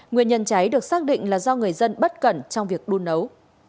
nguyên nhân cháy được xác định là do người dân bất cẩn trong việc đun nấu